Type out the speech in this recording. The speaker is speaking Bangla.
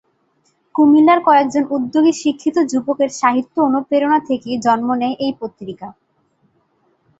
কুমিল্লার কয়েকজন উদ্যোগী শিক্ষিত যুবকের সাহিত্য অনুপ্রেরণা থেকেই জন্ম নেয় এই পত্রিকা।